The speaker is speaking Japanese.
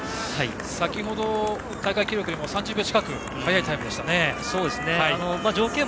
先程、大会記録よりも３０秒近く速いタイムでしたよね。